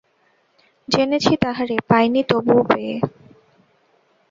জেনেছি তাহারে, পাই নি তবুও পেয়ে।